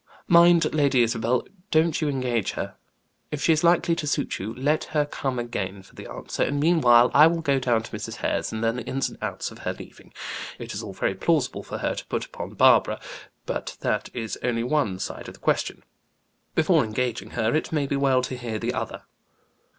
"Mind, Lady Isabel, don't you engage her. If she is likely to suit you, let her come again for the answer, and meanwhile I will go down to Mrs. Hare's and learn the ins and outs of her leaving. It is all very plausible for her to put upon Barbara, but that is only one side of the question. Before engaging her, it may be well to hear the other."